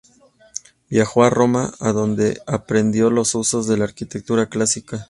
Viajó a Roma donde aprendió los usos de la arquitectura clásica.